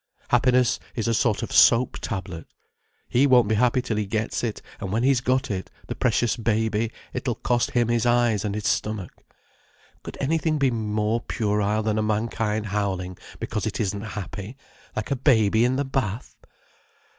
Happiness is a sort of soap tablet—he won't be happy till he gets it, and when he's got it, the precious baby, it'll cost him his eyes and his stomach. Could anything be more puerile than a mankind howling because it isn't happy: like a baby in the bath!